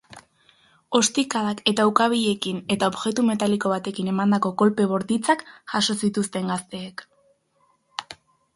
Ostikadak eta ukabilekin eta objektu metaliko batekin emandako kolpe bortitzak jaso zituzten gazteek.